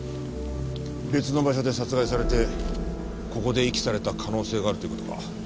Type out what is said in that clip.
別の場所で殺害されてここで遺棄された可能性があるという事か。